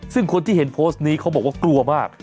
ซึ่งคนที่เห็นโพสต์นี้เขาบอกว่ากลัวมาก